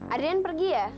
adrian pergi ya